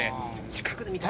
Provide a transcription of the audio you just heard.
近くで見たい。